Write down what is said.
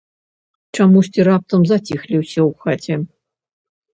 Чамусьці раптам заціхлі ўсе ў хаце.